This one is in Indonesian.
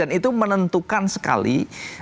dan itu menentukan sekali